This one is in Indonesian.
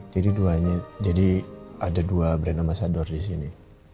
jadi ada dua brand ambasador disini